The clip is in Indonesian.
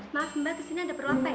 maksimal kesini udah ber atheist